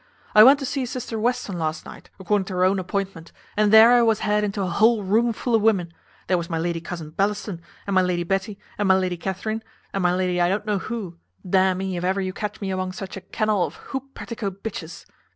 "I went to zee sister Western last night, according to her own appointment, and there I was had into a whole room full of women. There was my lady cousin Bellaston, and my Lady Betty, and my Lady Catherine, and my lady I don't know who; d n me, if ever you catch me among such a kennel of hoop petticoat b s!